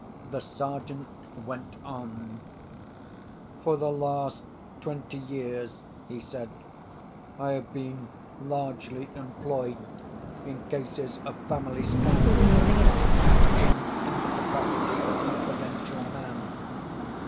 The Sergeant went on: "For the last twenty years," he said, "I have been largely employed in cases of family scandal, acting in the capacity of confidential man.